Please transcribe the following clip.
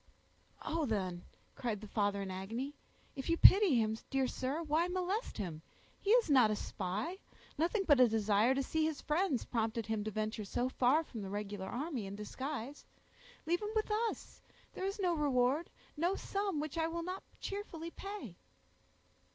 "Oh! then," cried the father in agony, "if you pity him, dear sir, why molest him? He is not a spy; nothing but a desire to see his friends prompted him to venture so far from the regular army in disguise. Leave him with us; there is no reward, no sum, which I will not cheerfully pay."